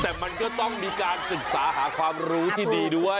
แต่มันก็ต้องมีการศึกษาหาความรู้ที่ดีด้วย